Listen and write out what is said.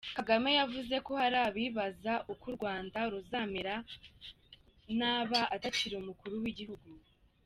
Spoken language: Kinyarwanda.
Kagame yavuze ko hari abibaza uko u Rwanda ruzamera ntaba atakiri umukuru w’Igihugu.